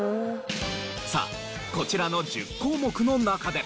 さあこちらの１０項目の中で。